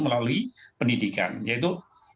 melalui pendidikan yaitu